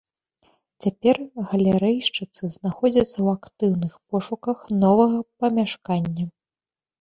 Цяпер галерэйшчыцы знаходзяцца ў актыўных пошуках новага памяшкання.